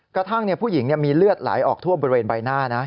กระทั่งผู้หญิงมีเลือดไหลออกทั่วบริเวณใบหน้านะ